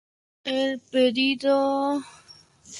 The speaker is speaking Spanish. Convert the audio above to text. El pedicelo fructífero es raramente erguido.